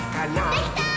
できたー！